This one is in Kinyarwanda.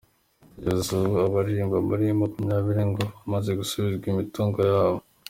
Kugeza ubu ababarirwa muri makumyabiri ngo bamaze gusubizwa imitungo yabo.